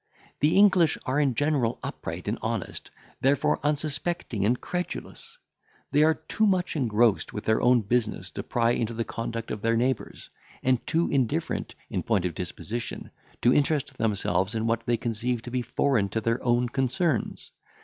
"The English are in general upright and honest, therefore unsuspecting and credulous. They are too much engrossed with their own business to pry into the conduct of their neighbours, and too indifferent, in point of disposition, to interest themselves in what they conceive to be foreign to their own concerns.